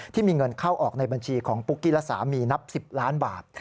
ที่มีเงินเข้าออกในบัญชีของปุ๊กกี้และสามีนับ๑๐ล้านบาท